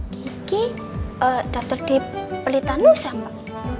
gigi daftar di pelitanusa mbak